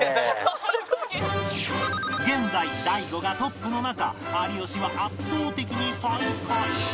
現在大悟がトップの中有吉は圧倒的に最下位